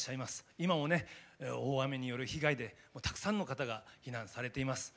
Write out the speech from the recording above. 今もね大雨による被害でたくさんの方が避難されています。